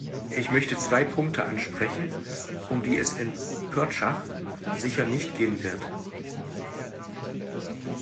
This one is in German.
Ich möchte zwei Punkte ansprechen, um die es in Pörtschach sicher nicht gehen wird.